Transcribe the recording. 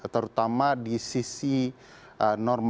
terutama di sisi norma